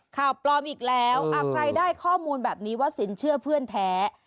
ข่าวปลอมอีกแล้วใครได้ข้อมูลแบบนี้ว่าสินเชื่อเพื่อนแท้